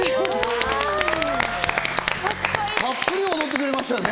たっぷり踊ってくれましたね。